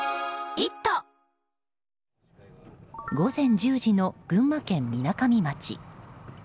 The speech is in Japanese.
午前１０時の群馬県みなかみ町。